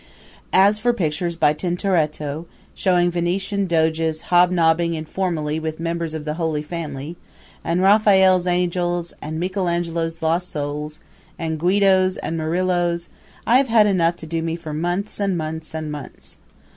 As for pictures by Tintoretto, showing Venetian Doges hobnobbing informally with members of the Holy Family, and Raphael's angels, and Michelangelo's lost souls, and Guidos, and Murillos, I have had enough to do me for months and months and months.